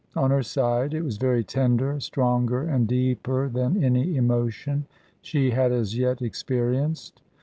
On her side it was very tender, stronger and deeper than any emotion she had as yet experienced.